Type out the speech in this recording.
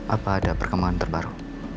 apa ada perkembangan terbaru